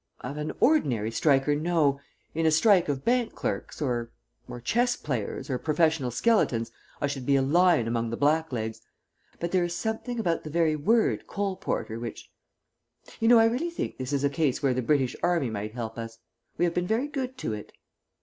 "Of an ordinary striker, no. In a strike of bank clerks, or or chess players, or professional skeletons, I should be a lion among the blacklegs; but there is something about the very word coal porter which You know, I really think this is a case where the British Army might help us. We have been very good to it."